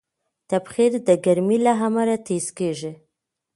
تبخیر د ګرمۍ له امله تېز کېږي.